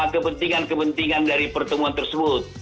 kepentingan kepentingan dari pertemuan tersebut